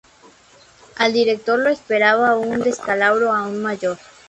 Al director lo esperaba un descalabro aún mayor.